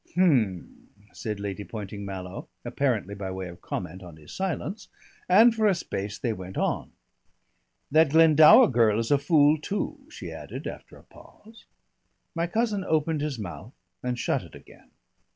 "H'm," said Lady Poynting Mallow, apparently by way of comment on his silence, and for a space they went on. "That Glendower girl is a fool too," she added after a pause. My cousin opened his mouth and shut it again.